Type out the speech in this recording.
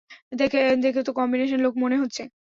দেখে তো combination lock মনে হচ্ছে।